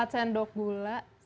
empat sendok gula